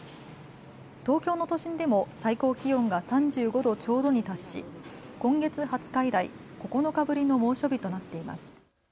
東京の都心でも最高気温が３５度ちょうどに達し、今月２０日以来、９日ぶりの猛暑日となっています。